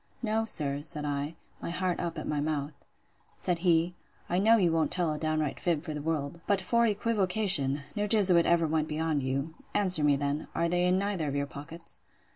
No, sir, said I; my heart up at my mouth. Said he, I know you won't tell a downright fib for the world: but for equivocation! no jesuit ever went beyond you. Answer me then, Are they in neither of your pockets?